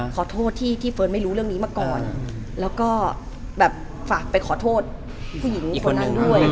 ขอโทษที่ที่เฟิร์นไม่รู้เรื่องนี้มาก่อนแล้วก็แบบฝากไปขอโทษผู้หญิงคนนั้นด้วย